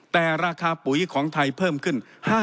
แต่ราคาปุ๋ยของไทยเพิ่มขึ้น